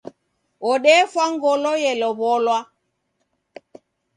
Odefwa ngolo yelowolwa.